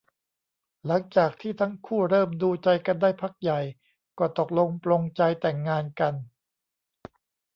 หลังจากที่ทั้งคู่เริ่มดูใจกันได้พักใหญ่ ก็ตกลงปลงใจแต่งงานกัน